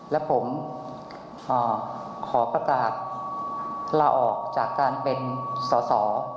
และผมขอประกาศลาออกจากการเป็นสอสอ